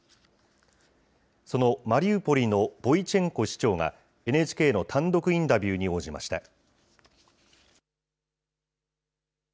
そのマリウポリのボイチェンコ市長がＮＨＫの単独インタビューに応じました。